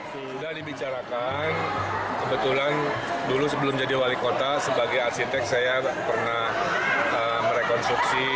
sudah dibicarakan kebetulan dulu sebelum jadi wali kota sebagai arsitek saya pernah merekonstruksi